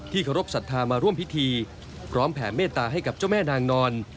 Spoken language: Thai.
เคารพสัทธามาร่วมพิธีพร้อมแผ่เมตตาให้กับเจ้าแม่นางนอน